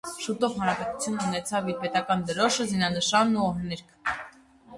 Շուտով հանրապետությունն ունեցավ իր պետական դրոշը, զինանշանն ու օրհներգը։